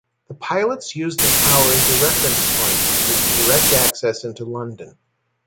The pilots used the tower as a reference point for direct access into London.